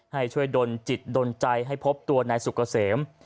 ให้ช่วยดนจิตดนใจให้พบตัวนายสุกเกษม